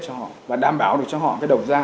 cho họ và đảm bảo được cho họ cái đầu ra